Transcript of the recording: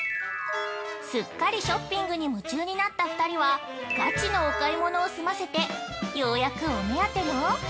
◆すっかりショッピングに夢中になった２人はガチのお買い物を済ませてようやくお目当ての◆